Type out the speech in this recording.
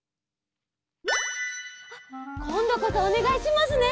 あっこんどこそおねがいしますね。